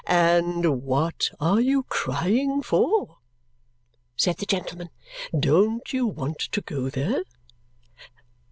"And what are you crying for?" said the gentleman, "Don't you want to go there?"